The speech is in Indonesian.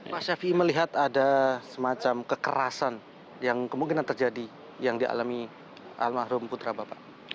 pak syafi melihat ada semacam kekerasan yang kemungkinan terjadi yang dialami al mahrum putra bapak